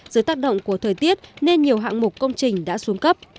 dưới tác động của thời tiết nên nhiều hạng mục công trình đã xuống cấp